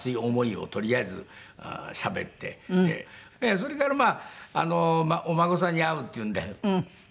それからお孫さんに会うっていうんで。